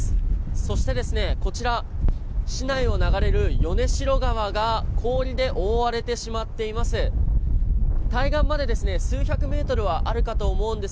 そして、こちら市内を流れる米代川が氷で覆われてしまっています。